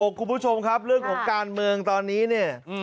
คุณผู้ชมครับเรื่องของการเมืองตอนนี้เนี่ย